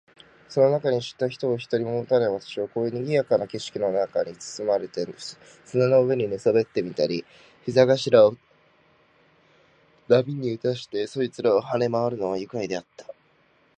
その中に知った人を一人ももたない私も、こういう賑（にぎ）やかな景色の中に裹（つつ）まれて、砂の上に寝そべってみたり、膝頭（ひざがしら）を波に打たしてそこいらを跳（は）ね廻（まわ）るのは愉快であった。